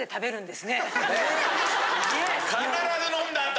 必ず飲んだ後。